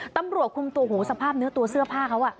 ตำรวจคุมตัวโหสภาพเนื้อตัวเสื้อผ้าเขา